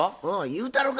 言うたろか？